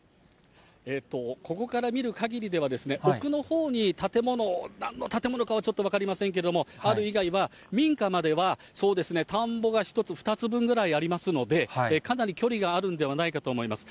ここから見るかぎりでは、奥のほうに建物、なんの建物かはちょっと分かりませんけれども、ある以外は、民家まではそうですね、田んぼが１つ、２つ分ぐらいありますので、かなり距離があるんではないかと思います。